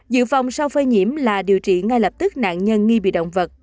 dự phòng sau phơi nhiễm là điều trị ngay lập tức nạn nhân nghi bị động vật